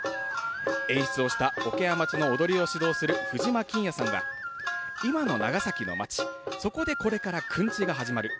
演出をした桶屋町の踊りを指導する藤間金彌さんは、今の長崎の町、そこでこれからくんちが始まる。